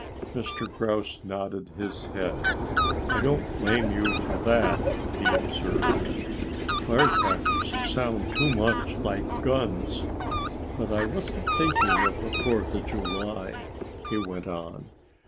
Mr. Grouse nodded his head. "I don't blame you for that," he observed. "Firecrackers sound too much like guns.... But I wasn't thinking of the Fourth of July," he went on.